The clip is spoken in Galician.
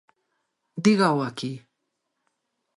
Dígao aquí.